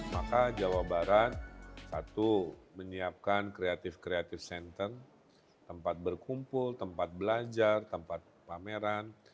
maka jawa barat satu menyiapkan kreatif kreatif center tempat berkumpul tempat belajar tempat pameran